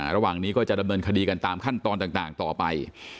ระหว่างนี้ก็จะดำเนินคดีกันตามขั้นตอนต่างต่อไป